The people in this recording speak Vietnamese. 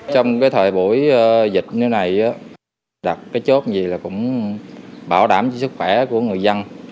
trong thời buổi dịch như thế này đặt cái chốt gì cũng bảo đảm cho sức khỏe của người dân